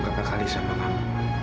aku akan percaya sama kamu